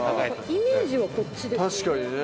イメージはこっちですよね。